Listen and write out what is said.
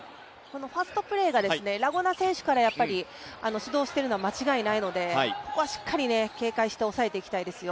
ファーストプレーがラ・ゴナ選手から始まっているのは間違いないのでここはしっかり警戒して抑えていきたいですよ。